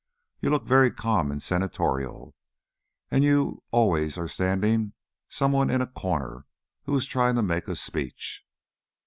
You look very calm and senatorial, and you always are standing some one in a corner who is trying to make a speech."